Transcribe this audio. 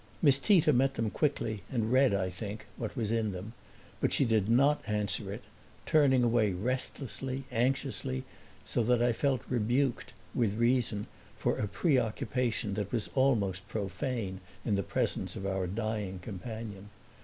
Miss Tita met them quickly and read, I think, what was in them; but she did not answer it, turning away restlessly, anxiously, so that I felt rebuked, with reason, for a preoccupation that was almost profane in the presence of our dying companion.